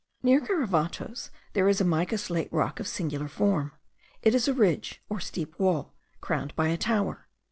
Near Garavatos there is a mica slate rock of singular form; it is a ridge, or steep wall, crowned by a tower.